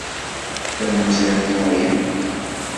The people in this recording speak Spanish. Pero no se dan todavía!